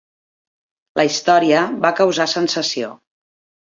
La història va causar sensació.